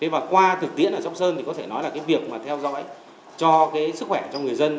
và qua thực tiễn ở trong sơn thì có thể nói là cái việc mà theo dõi cho cái sức khỏe cho người dân